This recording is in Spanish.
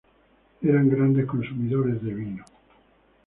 Eran grandes consumidores de vino.